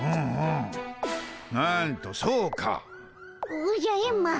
おじゃエンマ。